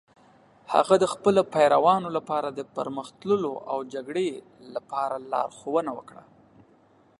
هغه د خپلو پیروانو لپاره د پرمخ تللو او جګړې لپاره لارښوونه وکړه.